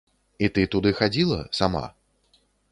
І ты туды хадзіла, сама?